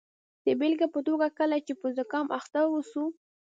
د بیلګې په توګه کله چې په زکام اخته اوسو.